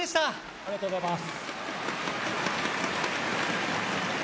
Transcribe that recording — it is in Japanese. ありがとうございます。